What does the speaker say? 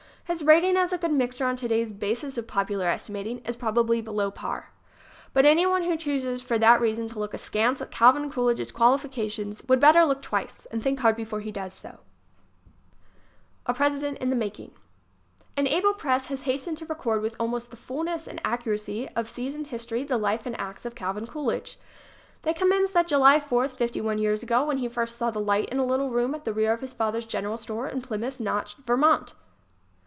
His rating as a good mixer, on today's basis of popular estimating, is probably below par. But any one who choses for that reason to look askance at Calvin Coolidge's qualifications would better look twice and think hard before he does so. 15 HAVE FAITH IN COOLIDGE! M m A President in the Making An able press has hastened to record with almost the fulness and accuracy of seasoned history the life and acts of Calvin Coolidge. They commence with that July Fourth, fifty one years ago, when he first saw the light in a little room at the rear of his father's general store in Plymouth Notch, Vermont.